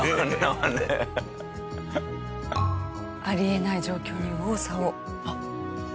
あり得ない状況に右往左往。